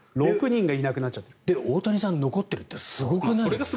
大谷さんが残ってるってすごくないですか？